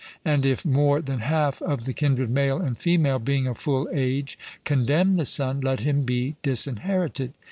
And if more than half of the kindred male and female, being of full age, condemn the son, let him be disinherited.